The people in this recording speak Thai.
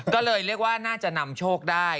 ก็เลยเรียกว่าน่าจะนำโชคได้